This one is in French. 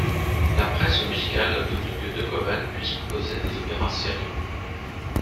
La presse musicale doute que De Koven peut composer des opéras sérieux.